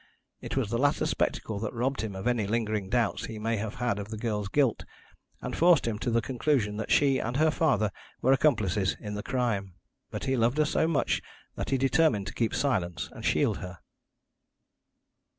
It was the latter spectacle that robbed him of any lingering doubts he may have had of the girl's guilt, and forced him to the conclusion that she and her father were accomplices in the crime. But he loved her so much that he determined to keep silence and shield her."